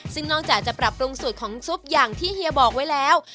ซึ่งนอกจากจะปรับปรุงสูตรของซุปอย่างที่เฮียบอกไว้แล้ว